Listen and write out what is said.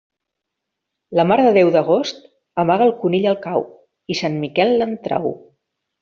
La Mare de Déu d'agost amaga el conill al cau i Sant Miquel l'en trau.